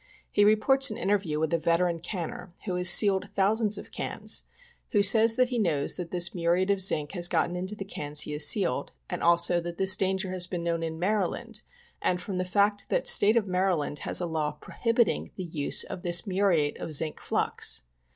He reports an interview with a veteran canner, who has sealed thousands of cans, who says that he knows that this muriate of zinc has got into the cans he has sealed ; and also that this danger has been known in Maryland, and from the fact that State of Maryland lias a laiv prohibiting the use of this muriate of zinc flux.